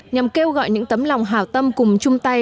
nhằm kêu gọi những tấm lòng hào tâm cùng chung tay